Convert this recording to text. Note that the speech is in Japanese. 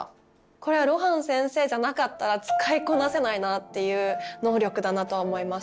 これは露伴先生じゃなかったら使いこなせないなっていう「能力」だなとは思います。